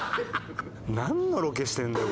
なんのロケしてるんだよ？